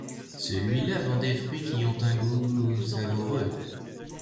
Celui-là vend des fruits qui ont un goût savoureux.